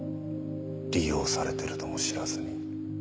利用されてるとも知らずに。